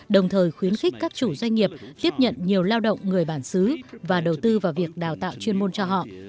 đồng thời khuyến khích các chủ doanh nghiệp tiếp nhận nhiều lao động người bản xứ và đầu tư vào việc đào tạo chuyên môn cho họ